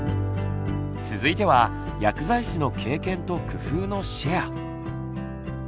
続いては薬剤師の経験と工夫のシェア。